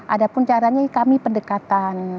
ada pun caranya kami pendekatan